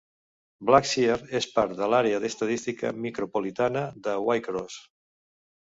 Blackshear és part de l'àrea d'estadística micropolitana de Waycross.